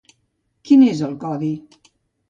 Quin és el codi?